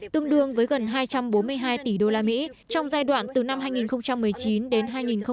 tương đương với gần hai trăm bốn mươi hai tỷ đô la mỹ trong giai đoạn từ năm hai nghìn một mươi chín đến hai nghìn hai mươi ba